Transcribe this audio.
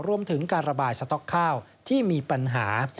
รวมถึงการระบายสต๊อกข้าวที่มีปัญหา